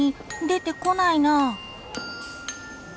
でてこないな。